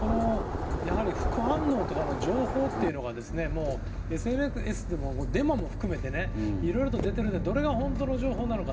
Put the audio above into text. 副反応とかの情報というのがＳＮＳでもデマも含めていろいろ出てるのでどれが本当の情報なのか。